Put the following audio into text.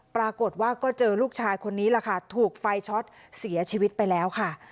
ปรากฏว่าก็เจอลูกชายคนนี้แหละค่ะถูกไฟช็อตเสียชีวิตไปแล้วค่ะ